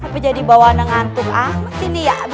tapi jadi bawaan yang ngantuk amat ini ya